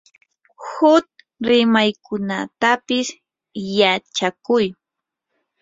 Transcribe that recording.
huk rimaykunatapis yachakuy.